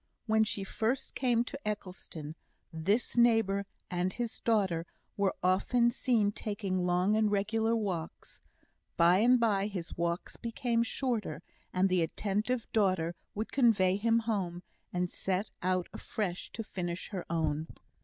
When she first came to Eccleston, this neighbour and his daughter were often seen taking long and regular walks; by and by his walks became shorter, and the attentive daughter would convoy him home, and set out afresh to finish her own.